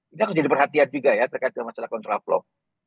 ini harus jadi perhatian juga ya terkait dengan masalah kontraflow